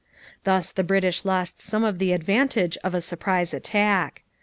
Thus the British lost some of the advantage of a surprise attack.